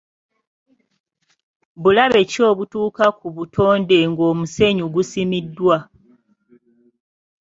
Bulabe ki obutuuka ku butonde ng'omusenyu gusimiddwa?